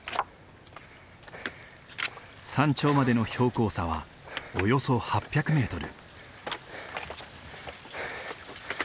山頂までの標高差はおよそ８００メートル。